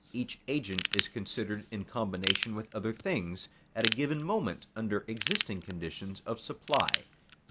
Each agent is considered in combination with other things at a given moment under existing conditions of supply.